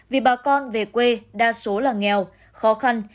vì bà con về quê đa số là nghèo khó khăn